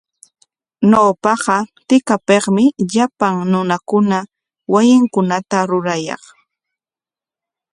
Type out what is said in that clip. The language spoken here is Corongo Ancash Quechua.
Ñawpaqa tikapikmi llapan runakuna wasinkunata rurayaq.